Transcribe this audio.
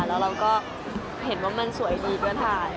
แล้วเราก็เห็นว่ามันสวยดีก็ถ่าย